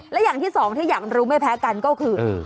และอย่างที่สองที่อยากรู้ไม่แพ้กันก็คือ